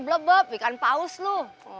blebeb ikan paus lu